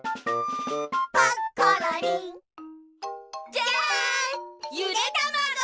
じゃんゆでたまご！